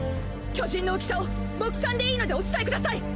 巨人の大きさを目算でいいのでお伝え下さい。